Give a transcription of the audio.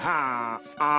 ああ！